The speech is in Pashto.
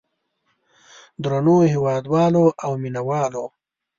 درنو هېوادوالو او مینه والو.